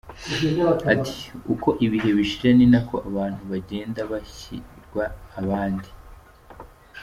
Ati “Uko ibihe bishira ni nako abantu bagenda bashyirwa abandi.